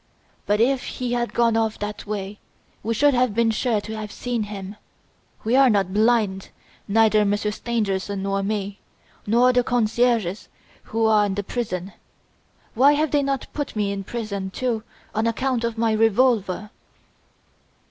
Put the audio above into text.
But if he had gone off that way, we should have been sure to have seen him. We are not blind, neither Monsieur Stangerson nor me, nor the concierges who are in prison. Why have they not put me in prison, too, on account of my revolver?"